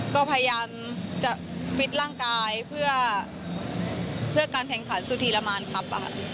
ก็พยายามจะฟิตร่างกายเพื่อการแข่งขันสุธีรมานครับ